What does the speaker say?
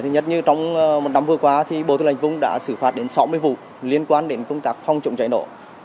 nhất như trong một năm vừa qua thì bộ tư lệnh vùng đã xử phạt đến sáu mươi vụ liên quan đến công tác phong trọng cháy nổ